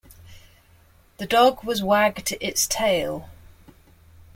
The dog was wagged its tail.